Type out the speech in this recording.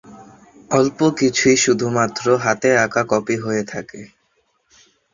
অল্প কিছুই শুধুমাত্র হাতে আঁকা কপি হয়ে থাকে।